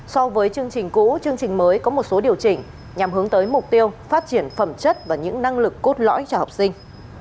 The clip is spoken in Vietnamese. so với chương trình cũ chương trình mới có một số điều chỉnh nhằm hướng tới mục tiêu phát triển phẩm chất và những năng lực cốt lõi cho học sinh